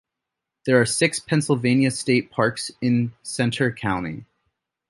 There are six Pennsylvania state parks in Centre County.